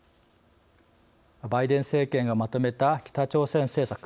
バイデン政権がまとめた北朝鮮政策